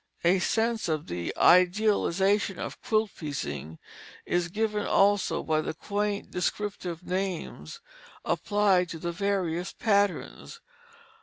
A sense of the idealization of quilt piecing is given also by the quaint descriptive names applied to the various patterns.